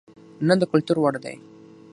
نه د کتلو وړ دى،